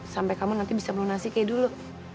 sampai kamu nanti bisa melunasi kayak dulu